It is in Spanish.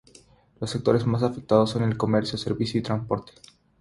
Los sectores más afectados son el comercio, servicios y transporte.